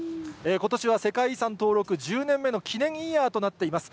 ことしは世界遺産登録１０年目の記念イヤーとなっています。